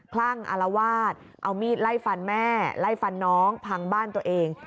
คลั่งอารวาสเอามีดไล่ฟันแม่ไล่ฟันน้องพังบ้านตัวเอง